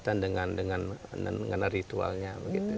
warnanya tidak terlalu berkaitan dengan ritualnya